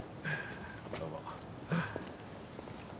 どうも。